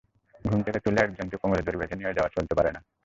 ঘুম থেকে তুলে একজনকে কোমরে দড়ি বেঁধে নিয়ে যাওয়া চলতে পারে না।